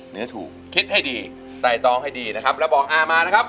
ถูกคิดให้ดีไต่ตองให้ดีนะครับแล้วบอกอามานะครับ